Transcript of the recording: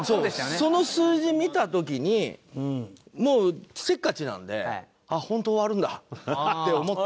その数字見た時にもうせっかちなんであっ本当終わるんだって思って。